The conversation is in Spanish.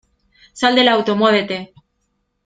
¡ Sal del auto! ¡ muévete !